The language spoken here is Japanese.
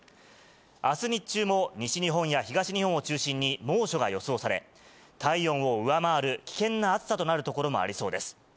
あす日中も、西日本や東日本を中心に猛暑が予想され、体温を上回る危険な暑さとなる所もありそうです。